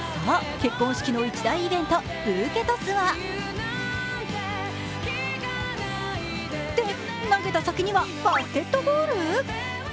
結婚式の一大イベント、ブーケトスは・て、投げた先にはバスケットゴール？